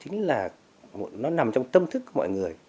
nó nằm trong tâm thức của mọi người